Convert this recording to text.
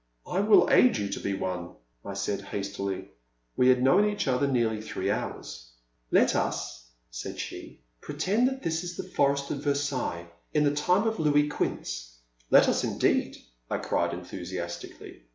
I will aid you to be one !" I said, hastily. We had known each other nearly three hours. Let us," said she, pretend that this is the forest of Versailles in the time of I/)uis Quinze." Let us indeed !" I cried, enthusiastically."